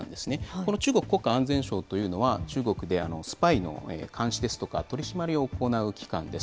この中国国家安全省というのは、中国でスパイの監視ですとか取締りを行う機関です。